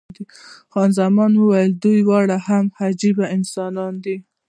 خان زمان وویل، دوی دواړه هم عجبه انسانان دي.